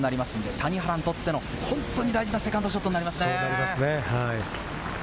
谷原にとっての本当に大事なセカンドショットになりますね。